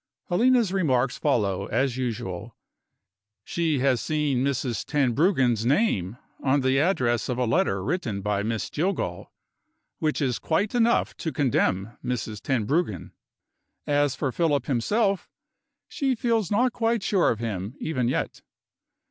Helena's remarks follow, as usual. She has seen Mrs. Tenbruggen's name on the address of a letter written by Miss Jillgall which is quite enough to condemn Mrs. Tenbruggen. As for Philip himself, she feels not quite sure of him, even yet.